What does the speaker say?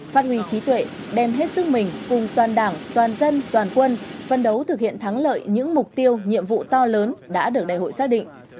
phát huy trí tuệ đem hết sức mình cùng toàn đảng toàn dân toàn quân phân đấu thực hiện thắng lợi những mục tiêu nhiệm vụ to lớn đã được đại hội xác định